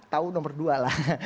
tahu nomor dua lah